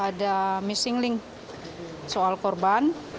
ada missing link soal korban